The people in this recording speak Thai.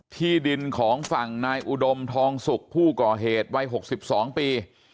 ที่ดินของฝั่งนายอุดมทองสุกผู้ก่อเหตุวัย๖๒ปี